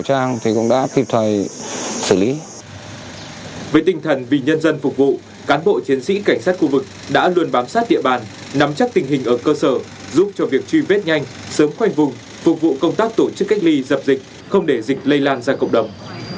cảnh sát khu vực đã luôn bám sát địa bàn nắm chắc tình hình ở cơ sở giúp cho việc truy vết nhanh sớm khoanh vùng phục vụ công tác tổ chức cách ly dập dịch không để dịch lây lan ra cộng đồng